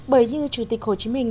bởi như chủ tịch hồ chí minh